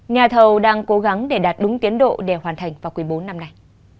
nhà thầu đang cố gắng để đạt đúng tiến độ để hoàn thành vào quý bốn năm nay